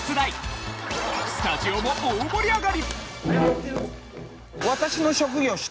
スタジオも大盛り上がり！